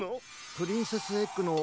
プリンセスエッグの。